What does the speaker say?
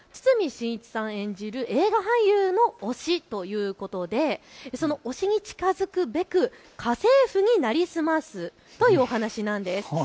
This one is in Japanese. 映画俳優の推しということで推しに近づくべく家政婦になりすますというお話なんです。